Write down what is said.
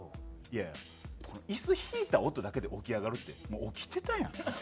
いやいや椅子引いた音だけで起き上がるってもう起きてたやんと。